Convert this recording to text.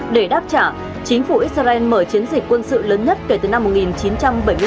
để đáp trả chính phủ israel mở chiến dịch quân sự lớn nhất kể từ năm một nghìn chín trăm bảy mươi ba